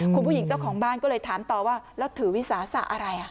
คุณผู้หญิงเจ้าของบ้านก็เลยถามต่อว่าแล้วถือวิสาสะอะไร